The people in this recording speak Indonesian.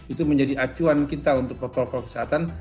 itu menjadi acuan kita untuk protokol kesehatan